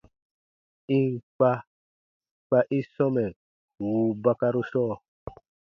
Ì n kpa, kpa i sɔmɛ wùu bakaru sɔɔ.